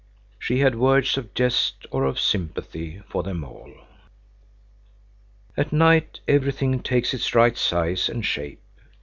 She had words of jest or of sympathy for them all. At night everything takes its right size and shape.